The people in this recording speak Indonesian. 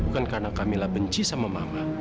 bukan karena kamilah benci sama mama